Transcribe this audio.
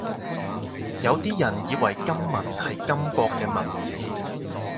有啲人以為金文係金國嘅文字